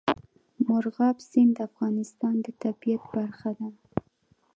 مورغاب سیند د افغانستان د طبیعت برخه ده.